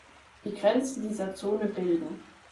Die Grenzen dieser Zone bilden